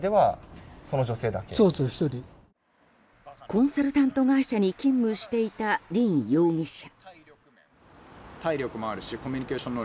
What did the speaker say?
コンサルタント会社に勤務していた凜容疑者。